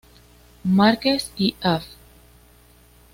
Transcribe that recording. Márquez y Av.